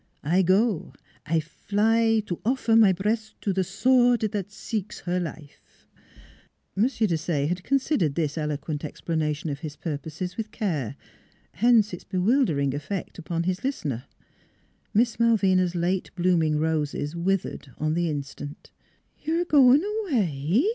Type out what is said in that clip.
I go, I fly to offer my breast to the sword that seeks her life !" M. Desaye had considered this eloquent ex planation of his purposes with care, hence its be wildering effect upon his listener. Miss Malvina's late blooming roses withered on the instant. " You're a goin' away?